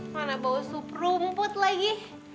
mana bau sup rumput lagi